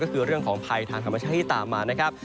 ก็คือเรื่องของภัยทางธรรมชาติที่ตามมานะครับ